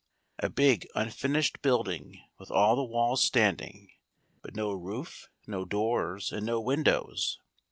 A big unfinished building with all the walls standing, but no roof, no doors, and no windows.